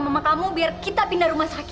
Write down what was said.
nyalah gitu anak